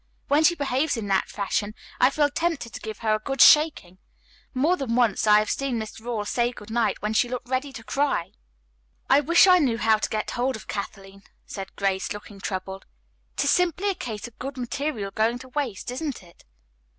When she behaves in that fashion I feel tempted to give her a good shaking. More than once I have seen Miss Rawle say good night when she looked ready to cry." "I wish I knew how to get hold of Kathleen," said Grace, looking troubled. "It is simply a case of good material going to waste, isn't it?"